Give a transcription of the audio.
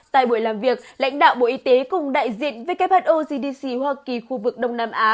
tại buổi làm việc lãnh đạo bộ y tế cùng đại diện whogdc hoa kỳ khu vực đông nam á